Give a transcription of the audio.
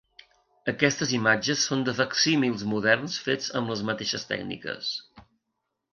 Aquestes imatges són de facsímils moderns fets amb les mateixes tècniques.